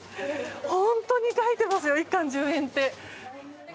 本当に書いていますよ１貫１０円って。